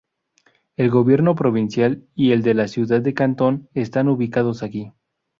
El gobierno provincial y el de la ciudad de Cantón están ubicados aquí.